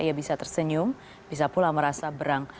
ia bisa tersenyum bisa pula merasa berang